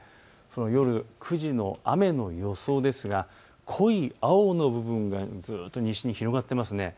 夜９時の雨の予想ですが濃い青の部分がずっと西に広がっていますね。